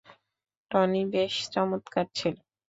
Tony বেশ চমৎকার ছেলে।